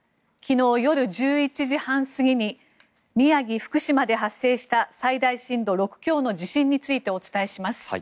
昨日夜１１時半過ぎに宮城、福島で発生した最大震度６強の地震についてお伝えします。